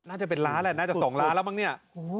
น่าจะเป็นล้านแหละน่าจะ๒ล้านแล้วมั้งเนี่ย